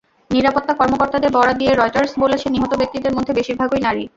নিরাপত্তা কর্মকর্তাদের বরাত দিয়ে রয়টার্স বলেছে, নিহত ব্যক্তিদের মধ্যে বেশির ভাগই নারী।